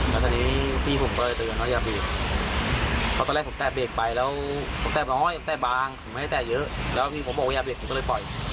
แล้วตอนนี้พี่ผมก็เลยเตือนว่าอย่าเบรกเพราะตอนแรกผมแตะเบรกไปแล้วผมแตะน้อยแต่บางผมไม่ให้แตะเยอะแล้วพี่ผมบอกว่าอย่าเบรกผมก็เลยปล่อย